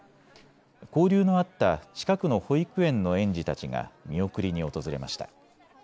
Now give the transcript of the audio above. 交流のあった近くの保育園の園児たちが見送りに訪れました。